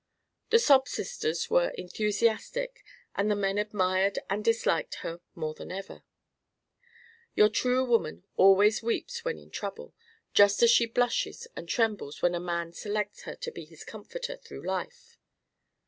The sob sisters were enthusiastic, and the men admired and disliked her more than ever. Your true woman always weeps when in trouble, just as she blushes and trembles when a man selects her to be his comforter through life.